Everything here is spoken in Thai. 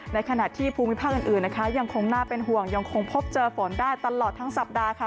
ในขณะที่ภูมิภาคอื่นนะคะยังคงน่าเป็นห่วงยังคงพบเจอฝนได้ตลอดทั้งสัปดาห์ค่ะ